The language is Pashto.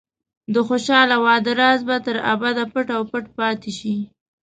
د خوشحاله واده راز به تر ابده پټ او پټ پاتې شي.